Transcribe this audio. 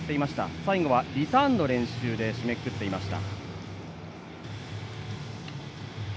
最後はリターンの練習で締めくくっていました。